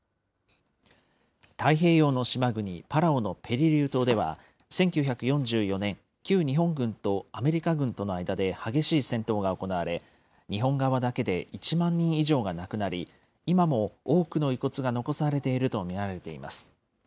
太平洋の島国パラオのペリリュー島では、１９４４年、旧日本軍とアメリカ軍との間で激しい戦闘が行われ、日本側だけで１万人以上が亡くなり、今も多くの遺骨が残されていると見られています。